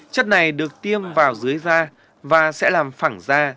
chất này được tiêm vào dưới da và sẽ làm phẳng da